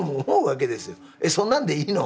「えっそんなんでいいの？」